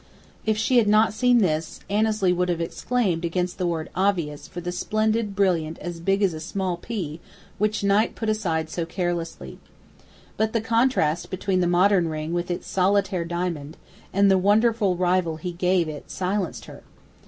If she had not seen this, Annesley would have exclaimed against the word "obvious" for the splendid brilliant as big as a small pea which Knight put aside so carelessly. But the contrast between the modern ring with its "solitaire" diamond and the wonderful rival he gave it silenced her.